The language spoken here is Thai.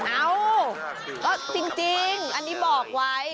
เอ้าก็จริงอันนี้บอกไว้